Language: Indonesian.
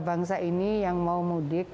bangsa ini yang mau mudik